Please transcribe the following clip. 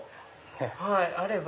はいあれば。